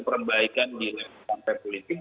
perbaikan di partai politik